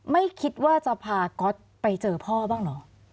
ไม่คิดว่าจะพาก๊อตไปเจอพ่อบ้างเหรอ